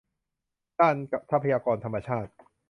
ด้านทรัพยากรธรรมชาติ